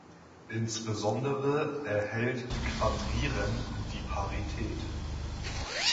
Insbesondere erhält Quadrieren die Parität.